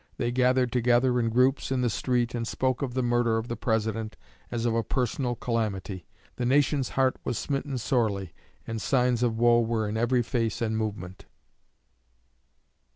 They gathered together in groups in the street, and spoke of the murder of the President as of a personal calamity. The nation's heart was smitten sorely, and signs of woe were in every face and movement.